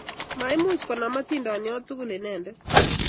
Maimuch konam atindoniot tukul inendet